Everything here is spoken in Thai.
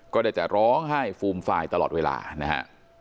ก็ได้แต่ร้องไห้ฟูมฟายตลอดเวลานะฮะ